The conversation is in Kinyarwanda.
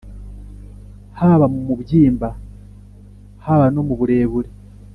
haba mu mubyimba haba no mu burebure.